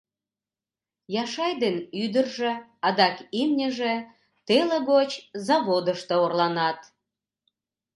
Яшай ден ӱдыржӧ, адак имньыже теле гоч заводышто орланат.